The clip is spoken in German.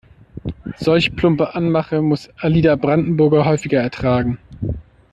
Solch plumpe Anmache muss Alida Brandenburger häufiger ertragen.